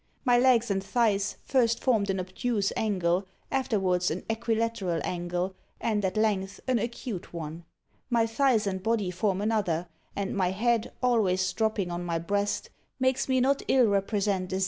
My legs and thighs first formed an obtuse angle, afterwards an equilateral angle, and at length, an acute one. My thighs and body form another; and my head, always dropping on my breast, makes me not ill represent a Z.